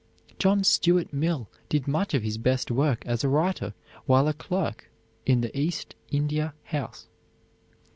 John Stuart Mill did much of his best work as a writer while a clerk in the East India House.